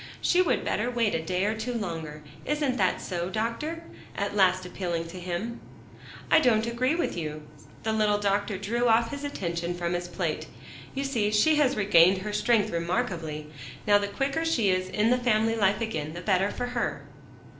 "She would better wait a day or two longer. Isn't that so, Doctor?" at last appealing to him. "I don't agree with you," the little doctor drew off his attention from his plate. "You see she has regained her strength remarkably. Now the quicker she is in the family life again, the better for her."